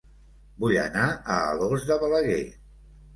Vull anar a Alòs de Balaguer